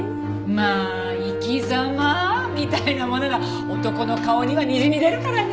まあ生き様みたいなものが男の顔にはにじみ出るからね。